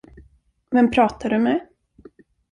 Vem pratar du med?